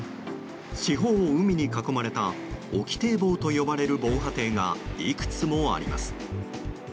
四方を海に囲まれた沖堤防と呼ばれる防波堤がいくつもあります。